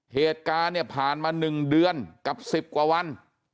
เหตุการณ์เนี่ยผ่านมา๑เดือนกับ๑๐กว่าวัน